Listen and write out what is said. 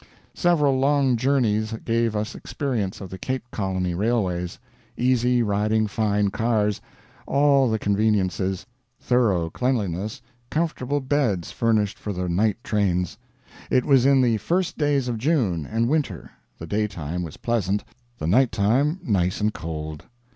Several long journeys gave us experience of the Cape Colony railways; easy riding, fine cars; all the conveniences; thorough cleanliness; comfortable beds furnished for the night trains. It was in the first days of June, and winter; the daytime was pleasant, the nighttime nice and cold.